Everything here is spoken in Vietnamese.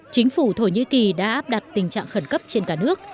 chính phủ thổ nhĩ kỳ đã áp đặt tình trạng khẩn cấp trên cả nước